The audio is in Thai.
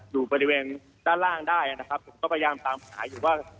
อยู่บริเวณด้านล่างได้นะครับผมก็พยายามตามหาอยู่ว่า